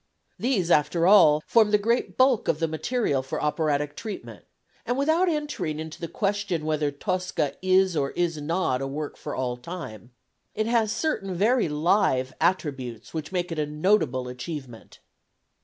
These, after all, form the great bulk of the material for operatic treatment; and without entering into the question whether Tosca is or is not a work for all time, it has certain very "live" attributes which make it a notable achievement.